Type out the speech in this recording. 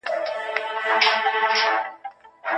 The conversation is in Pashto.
د بدن حق ادا کړئ.